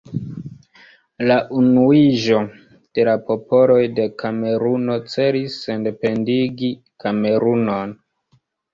La Unuiĝo de la Popoloj de Kameruno celis sendependigi Kamerunon.